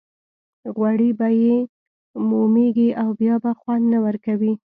غوړي به یې مومېږي او بیا به خوند نه ورکوي.